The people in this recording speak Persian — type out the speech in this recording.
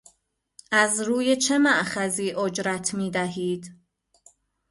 از روی چه مأخذی اجرت میدهید